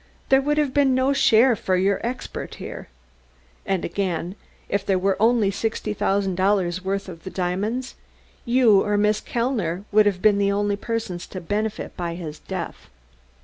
There would have been no share for your expert here. And again, if there were only sixty thousand dollars' worth of the diamonds you or Miss Kellner would have been the only persons to benefit by this death."